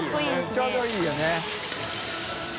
ちょうどいいよね。